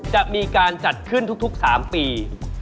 จะมีการจัดขึ้นทุก๓ปี